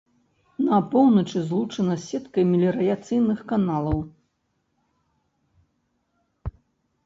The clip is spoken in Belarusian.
На поўначы злучана з сеткай меліярацыйных каналаў.